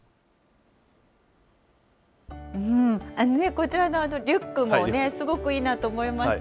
こちらのリュックもね、すごくいいなと思いました。